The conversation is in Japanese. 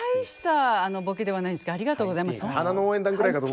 ありがとうございます。